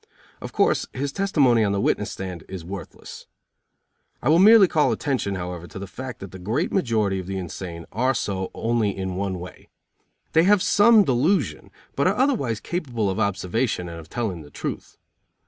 Of course, his testimony on the witness stand is worthless. I will merely call attention, however, to the fact that the great majority of the insane are so only in one way. They have some delusion, but are otherwise capable of observation and of telling the truth.